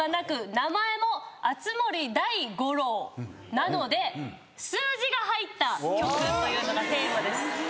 なので数字が入った曲というのがテーマです。